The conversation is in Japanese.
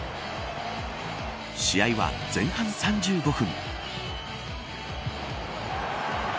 試合は前半３５分。